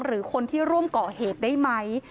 หรือคนที่ร่วมก่อเหตุได้ไหม